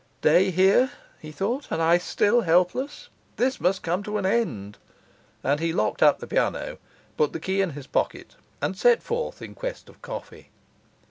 'Day here,' he thought, 'and I still helpless! This must come to an end.' And he locked up the piano, put the key in his pocket, and set forth in quest of coffee.